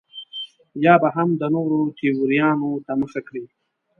یا به هم د نورو تیوریانو ته مخه کړي.